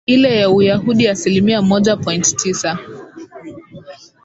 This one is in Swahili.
ile ya Uyahudi asilimia moja point tisa